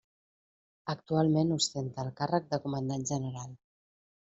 Actualment ostenta el càrrec de Comandant General.